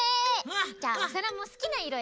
じゃおさらもすきないろ